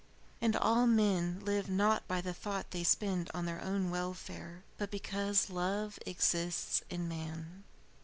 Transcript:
And all men live not by the thought they spend on their own welfare, but because love exists in man.